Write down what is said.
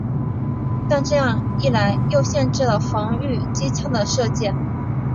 但这样一来又限制了防御机枪的射界。